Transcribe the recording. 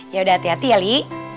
yaudah hati hati ya li